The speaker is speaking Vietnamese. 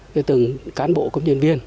cho từng cán bộ công nhân viên